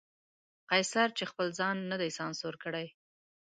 قیصر چې خپل ځان نه دی سانسور کړی.